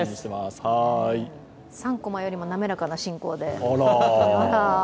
３コマよりもなめらかな進行で。